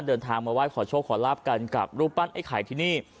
เดินทางมาไหว้ขอโชคขอลาบกันกับรูปปั้นไอ้ไข่ที่นี่